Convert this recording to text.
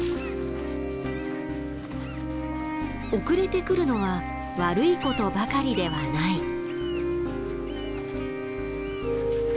遅れて来るのは悪いことばかりではない。